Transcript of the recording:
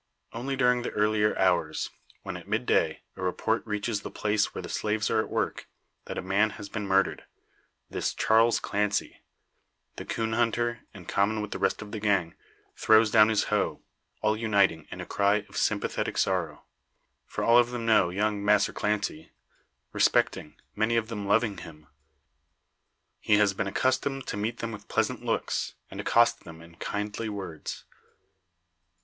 Only during the earlier hours. When, at mid day, a report reaches the place where the slaves are at work, that a man has been murdered this, Charles Clancy the coon hunter, in common with the rest of the gang, throws down his hoe; all uniting in a cry of sympathetic sorrow. For all of them know young "Massr Clancy;" respecting, many of them loving him. He has been accustomed to meet them with pleasant looks, and accost them in kindly words.